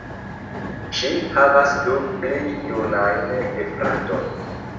Ŝi havas du pli junajn gefratojn.